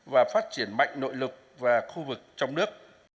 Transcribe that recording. và phát triển mạnh nội lực và khu vực trong nước